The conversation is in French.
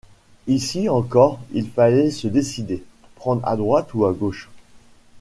Ici encore il fallait se décider ; prendre à droite ou à gauche.